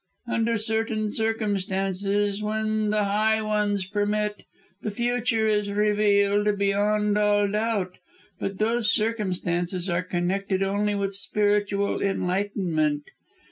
Under certain circumstances, when the High Ones permit, the future is revealed beyond all doubt, but those circumstances are connected only with spiritual enlightenment.